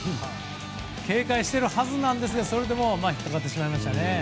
警戒しているはずなんですけどもそれでも引っかかってしまいましたね。